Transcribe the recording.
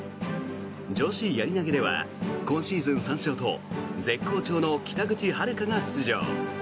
女子やり投では今シーズン３勝と絶好調の北口榛花が出場。